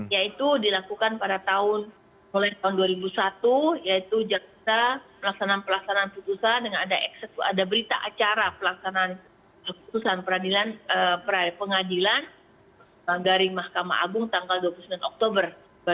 yaitu dilakukan pada tahun mulai tahun dua ribu satu yaitu jakarta pelaksanaan pelaksanaan putusan dengan ada berita acara pelaksanaan putusan pengadilan dari mahkamah agung tanggal dua puluh sembilan oktober dua ribu